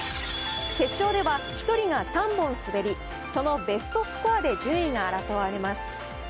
決勝では、１人が３本滑り、そのベストスコアで順位が争われます。